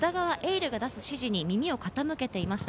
琉が出す指示に耳を傾けていました。